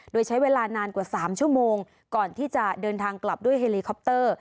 โดยใช้เวลานานกว่า๓ชั่วโมงก่อนที่จะเดินทางกลับด้วยเฮลีคอปเตอร์